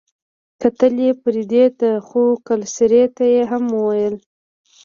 کتل يې فريدې ته خو کلسري ته يې هم وويل.